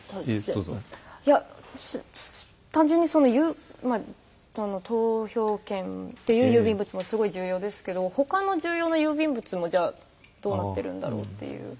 単純に投票券という郵便物もすごい重要ですけど他の重要な郵便物もどうなっているんだろうっていう。